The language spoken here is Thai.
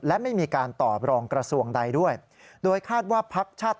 และการจัดจัดจะแล้ว